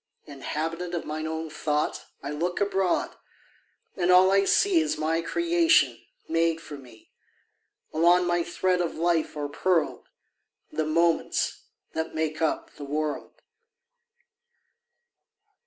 Inhabitant of mine own thought, I look abroad, and all I see Is my creation, made for me: Along my thread of life are pearled The moments that make up the world.